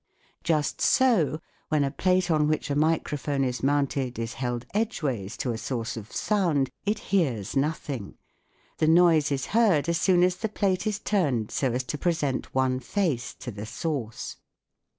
Just so when a plate on which a microphone is mounted is held edgeways to a source of sound, it hears no thing ; the noise is heard as soon as the plate is turned so as to present one face to the source.